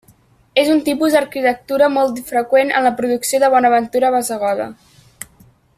És un tipus d'arquitectura molt freqüent en la producció de Bonaventura Bassegoda.